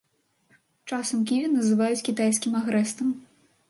Часам ківі называюць кітайскім агрэстам.